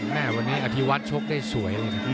แม่วันนี้อธิวัติโชคได้สวย